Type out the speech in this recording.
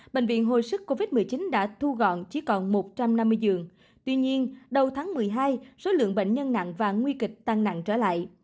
bệnh viện hồi sức covid một mươi chín đã thu gọn chỉ còn một trăm năm mươi giường tuy nhiên đầu tháng một mươi hai số lượng bệnh nhân nặng và nguy kịch tăng nặng trở lại